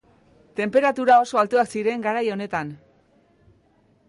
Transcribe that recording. Tenperatura oso altuak ziren garai honetan